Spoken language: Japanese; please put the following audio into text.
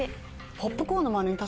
ポップコーンの。